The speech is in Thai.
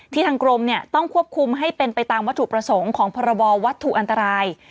ทางกรมต้องควบคุมให้เป็นไปตามวัตถุประสงค์ของพรบวัตถุอันตราย